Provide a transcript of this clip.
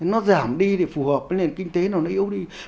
nó giảm đi thì phù hợp với nền kinh tế nó yếu đi